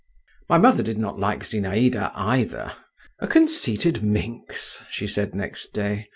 My mother did not like Zinaïda either. "A conceited minx," she said next day.